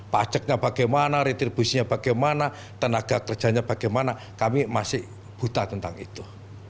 pajaknya bagaimana retribusinya bagaimana tenaga kerjanya bagaimana kami masih buta tentang itu